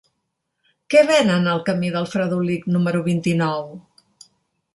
Què venen al camí del Fredolic número vint-i-nou?